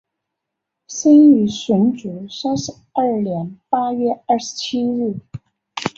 生于纯祖三十二年八月二十七日。